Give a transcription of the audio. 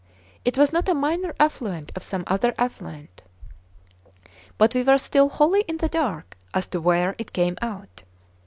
It was not a minor affluent of some other affluent. But we were still wholly in the dark as to where it came out.